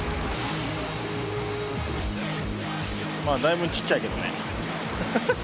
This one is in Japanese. まぁだいぶん小っちゃいけどねハハハ